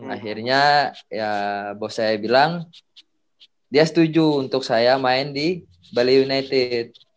akhirnya ya bos saya bilang dia setuju untuk saya main di bali united